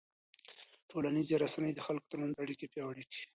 ټولنیزې رسنۍ د خلکو ترمنځ اړیکې پیاوړې کوي.